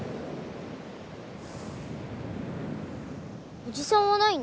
おじさんはないの？